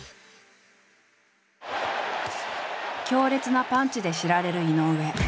強烈なパンチで知られる井上。